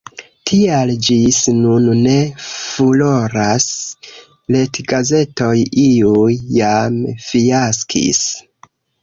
Tial ĝis nun ne furoras retgazetoj, iuj jam fiaskis.